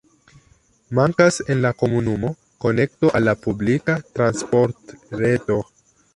Mankas en la komunumo konekto al la publika transportreto.